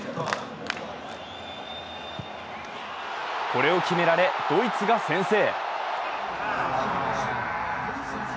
これを決められ、ドイツが先制。